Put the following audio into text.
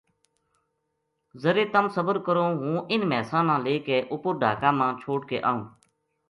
ذرے تم صبر کروں ہوں اِنھ مھیساں نا لے کے اپر ڈھاکا ما چھوڈ کے آئوں